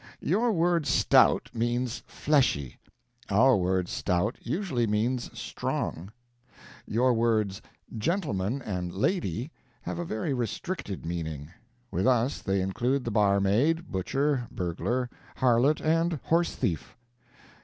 Your word 'stout' means 'fleshy'; our word 'stout' usually means 'strong.' Your words 'gentleman' and 'lady' have a very restricted meaning; with us they include the barmaid, butcher, burglar, harlot, and horse thief.